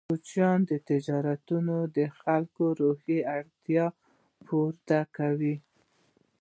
کوچني تجارتونه د خلکو ورځنۍ اړتیاوې پوره کوي.